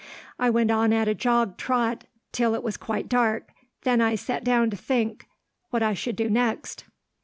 I went on at a jog trot till it was quite dark; then I sat down to think what I should do next.